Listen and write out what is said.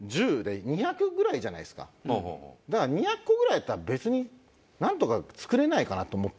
だから２００個ぐらいだったら別になんとか作れないかな？と思ってて。